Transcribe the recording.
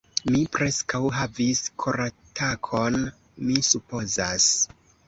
Mi preskaŭ havis koratakon, mi supozas.